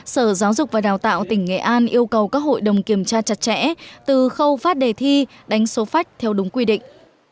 sở giáo dục và đào tạo tỉnh nghệ an yêu cầu các hội đồng kiểm tra chặt chẽ từ khâu phát đề thi đánh số phách theo đúng quy định